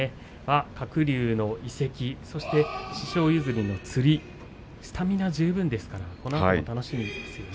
鶴竜の移籍そして師匠譲りのつりスタミナ十分ですからこのあとも楽しみですね。